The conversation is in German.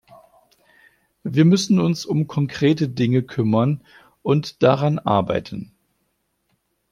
Wir müssen uns um konkrete Dinge kümmern und daran arbeiten.